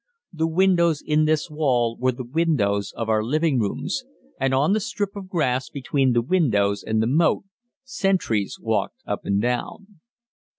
The windows in this wall were the windows of our living rooms, and on the strip of grass between the windows and the moat sentries walked up and down.